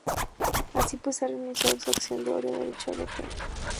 Así pues, ha renunciado a su "acción de oro" derecho de veto.